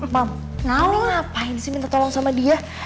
pem mami ngapain minta tolong sama dia